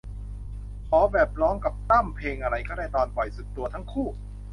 ขอแบบร้องกับตั้ม เพลงอะไรก็ได้ตอนปล่อยสุดตัวทั้งคู่